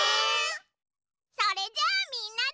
それじゃあみんなで。